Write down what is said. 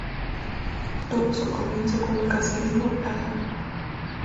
Tuvo su comienzo como caserío, La Granja.